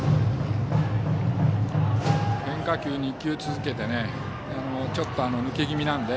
変化球を２球続けてちょっと抜け気味なので。